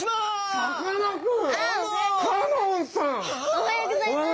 おはようございます。